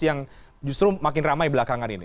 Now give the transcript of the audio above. yang justru makin ramai belakangan ini